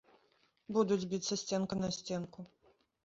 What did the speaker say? Будуць біцца сценка на сценку.